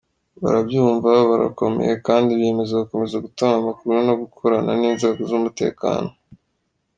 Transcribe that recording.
Barabyumva, barakomeye kandi biyemeza gukomeza gutanga amakuru no gukorana n’inzego z’umutekano.